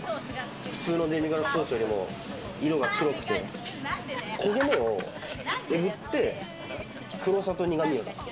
普通のデミグラスソースよりも色が黒くて、焦げ目をえぐって黒さと苦味を出す。